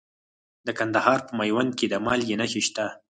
د کندهار په میوند کې د مالګې نښې شته.